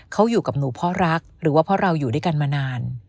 เขาอยู่กับหนูเพราะรักหรือว่าเพราะเราอยู่ด้วยกันมานาน